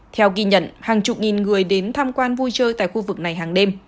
theo ghi nhận hàng chục nghìn người đến tham quan vui chơi tại khu vực này hàng đêm